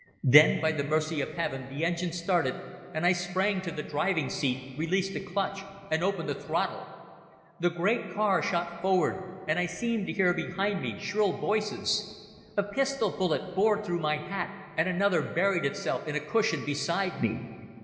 Then, by the mercy of Heaven, the engine started, and I sprang to the driving seat, released the clutch, and opened the throttle. The great car shot forward, and I seemed to hear behind me shrill voices. A pistol bullet bored through my hat, and another buried itself in a cushion beside me.